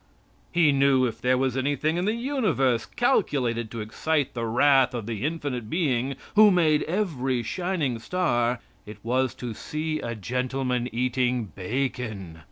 He knew if there was anything in the universe calculated to excite the wrath of the Infinite Being, who made every shining star, it was to see a gentleman eating bacon.